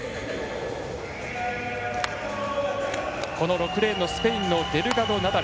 ６レーンのスペインのデルガドナダル。